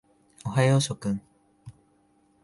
おはよう諸君。